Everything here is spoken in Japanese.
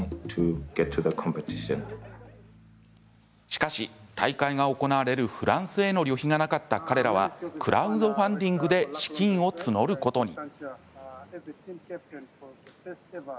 しかし、大会が行われるフランスへの旅費がなかった彼らはクラウドファンディングで資金を募ることに。